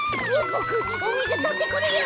ボクおみずとってくるよ！